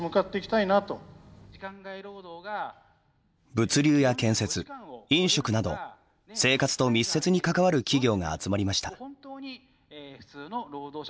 物流や建設飲食など生活と密接に関わる企業が集まりました。